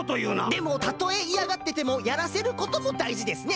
でもたとえいやがっててもやらせることもだいじですね。